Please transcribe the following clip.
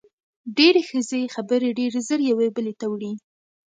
ډېری ښځې خبرې ډېرې زر یوې بلې ته وړي.